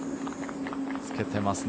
つけてますね。